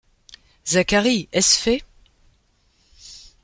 Zacharie, est-ce fait ?